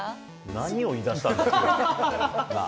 何を言いだした。なあ？